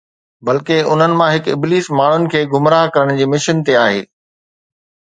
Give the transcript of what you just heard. بلڪه انهن مان هڪ ابليس ماڻهن کي گمراهه ڪرڻ جي مشن تي آهي